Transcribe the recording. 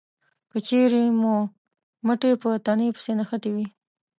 که چېرې مو مټې په تنې پسې نښتې وي